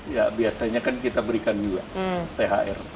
ya biasanya kan kita berikan juga thr